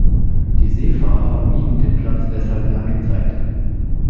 Die Seefahrer mieden den Platz deshalb lange Zeit.